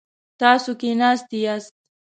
تاسو کښیناستی یاست؟